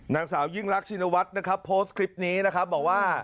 นางสาวยิ่งรักชินวัฒน์นะครับโพสต์คลิปนี้นะครับบอกว่า